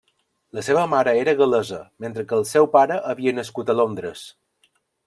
La seva mare era gal·lesa, mentre que el seu pare havia nascut a Londres.